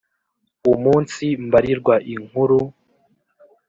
umunsi mbarirwa inkuru